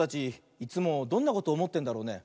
いつもどんなことおもってんだろうね。